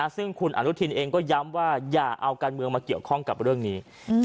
ซึ่งคุณอนุทินเองก็ย้ำว่าอย่าเอาการเมืองมาเกี่ยวข้องกับเรื่องนี้